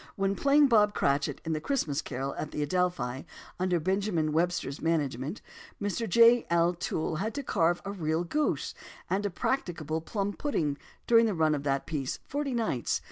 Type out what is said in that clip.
When playing Bob Cratchit, in The Christmas Carol at the Adelphi, under Mr. Benjamin Webster's management, Mr. J. L. Toole had to carve a real goose and a "practicable" plum pudding during the run of that piece, forty nights.